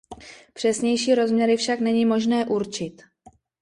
Přesnější rozměry však není možné určit.